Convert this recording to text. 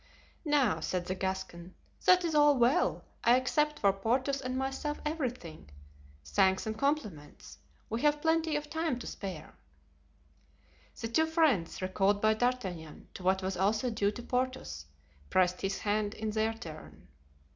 "Now," said the Gascon, "that is all well, I accept for Porthos and myself everything—thanks and compliments; we have plenty of time to spare." The two friends, recalled by D'Artagnan to what was also due to Porthos, pressed his hand in their turn.